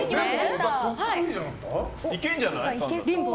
いけんじゃない？